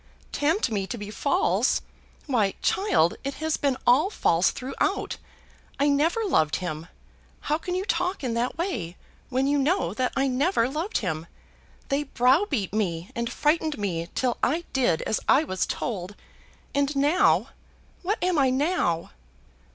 "Tempt me to be false! Why, child, it has been all false throughout. I never loved him. How can you talk in that way, when you know that I never loved him? They browbeat me and frightened me till I did as I was told; and now; what am I now?"